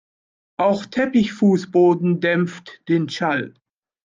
Auch Teppichfußboden dämpft den Schall.